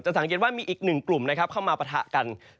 สังเกตว่ามีอีกหนึ่งกลุ่มนะครับเข้ามาปะทะกัน